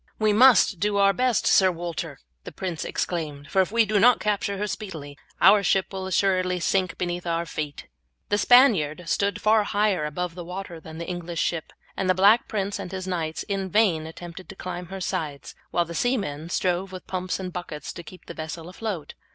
"We must do our best, Sir Walter," the prince exclaimed, "for if we do not capture her speedily our ship will assuredly sink beneath our feet." The Spaniard stood far higher above the water than the English ship, and the Black Prince and his knights in vain attempted to climb her sides, while the seamen strove with pumps and buckets to keep the vessel afloat.